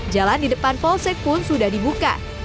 jalan di depan polsek pun sudah dibuka